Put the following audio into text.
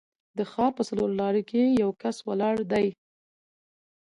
د ښار په څلورلارې کې یو کس ولاړ دی.